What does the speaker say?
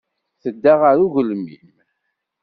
Tedda ɣer ugelmim.